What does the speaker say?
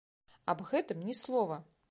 Аб гэтым ні слова.